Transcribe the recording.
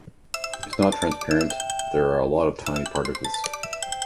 It's not transparent. There are a lot of tiny particles.